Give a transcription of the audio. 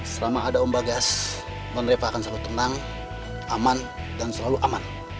selama ada om bagas monreva akan selalu tenang aman dan selalu aman